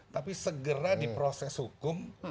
tapi segera diproses hukum